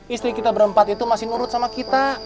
istri kita berempat itu masih nurut sama kita